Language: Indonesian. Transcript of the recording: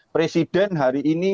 presiden hari ini